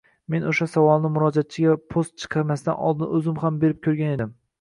Men oʻsha savolni murojatchiga, post chiqmasidan oldin oʻzim ham berib koʻrgan edim..